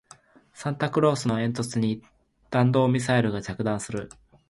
サンタクロースの煙突に弾道ミサイルが着弾する